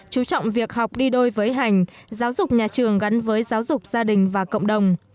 chú trọng việc học đi đôi với hành giáo dục nhà trường gắn với giáo dục gia đình và cộng đồng